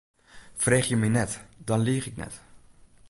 Freegje my net, dan liich ik net.